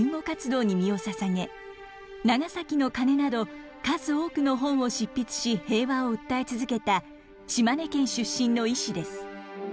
「長崎の鐘」など数多くの本を執筆し平和を訴え続けた島根県出身の医師です。